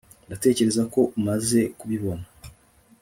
ndatekereza ko umaze kubibona